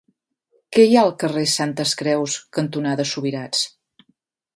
Què hi ha al carrer Santes Creus cantonada Subirats?